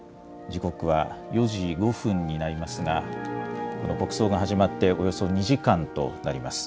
時刻は４時５分になりますが、国葬が始まっておよそ２時間となります。